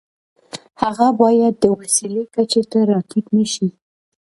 هغه باید د وسیلې کچې ته را ټیټ نشي.